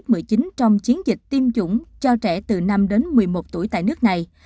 covid một mươi chín trong chiến dịch tiêm chủng cho trẻ từ năm đến một mươi một tuổi tại nước này